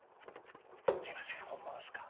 すいません本物っすか？